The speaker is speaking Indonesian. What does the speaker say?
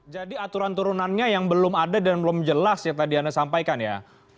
jadi aturan turunannya yang belum ada dan belum jelas yang tadi anda sampaikan ya